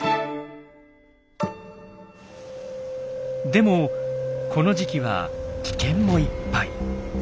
でもこの時期は危険もいっぱい。